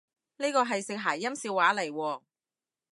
呢個係食諧音笑話嚟喎？